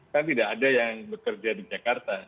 kan tidak ada yang bekerja di jakarta